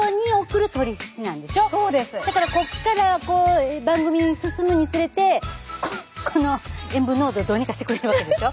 だからこっからこう番組進むにつれてこの塩分濃度をどうにかしてくれるわけでしょ？